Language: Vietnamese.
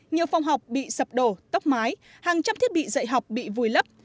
nhiều phòng học bị sập đổ tốc mái hàng trăm thiết bị dạy học bị vùi lấp